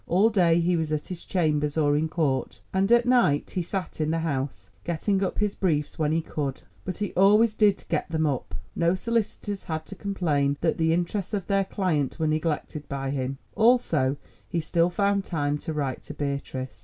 All day he was at his chambers or in court, and at night he sat in the House, getting up his briefs when he could. But he always did get them up; no solicitors had to complain that the interests of their client were neglected by him; also he still found time to write to Beatrice.